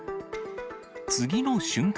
次の瞬間。